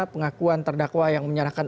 pengakuan terdakwa yang menyerahkan